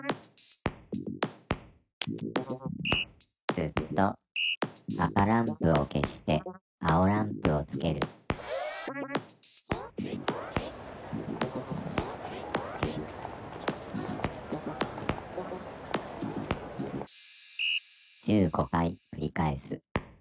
「ずっと」「赤ランプを消して青ランプをつける」「１５回くり返す」。